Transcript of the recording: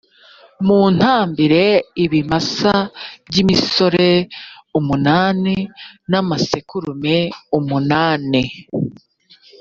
muntambire ibimasa by’imisore umunani n’amasekurume umunani